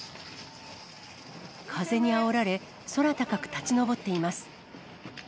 風にあおられ、空高く立ち上っています。